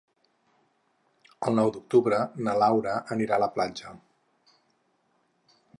El nou d'octubre na Laura anirà a la platja.